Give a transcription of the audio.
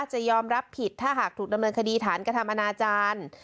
จะยอมรับผิดถ้าหากถูกดำเนินคดีฐานกระทำอนาจารย์